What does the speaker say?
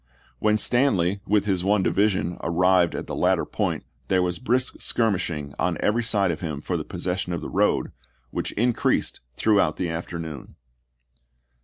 When Stanley, with his one division, arrived at the latter point there was brisk skirmish ing on every side of him for the possession of the road, which increased throughout the afternoon.